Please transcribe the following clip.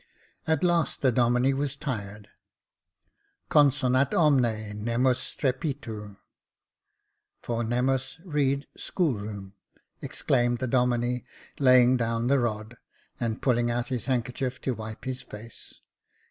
At last the Domine was tired. Consofiat omne nemus strepitu (for nemiis read schoolroom)," exclaimed the Domine, laying down the rod, and pulling out his handkerchief to wipe his face.